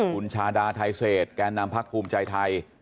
คุณชาดาไทเศษแกนนำพักภูมิใจไทย